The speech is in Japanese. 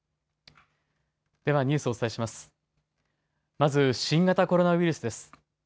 まず、新型コロナウイルスです。